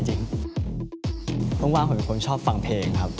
ตรงนี้เป็นคนชอบฟังเพลงครับ